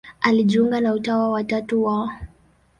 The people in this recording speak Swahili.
Alijiunga na Utawa wa Tatu wa Mt.